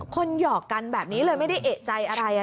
หยอกกันแบบนี้เลยไม่ได้เอกใจอะไร